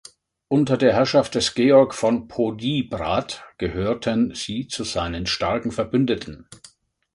Unter der Herrschaft des Georg von Podiebrad gehörten sie zu seinen starken Verbündeten.